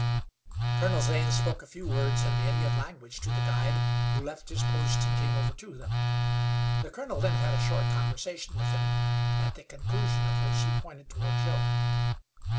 Colonel Zane spoke a few words in the Indian language to the guide, who left his post and came over to them. The colonel then had a short conversation with him, at the conclusion of which he pointed toward Joe.